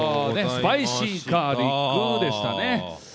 スパイシーガーリックでした。